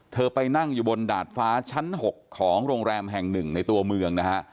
ไปนั่งอยู่บนดาดฟ้าชั้น๖ของโรงแรมแห่งหนึ่งในตัวเมืองนะฮะ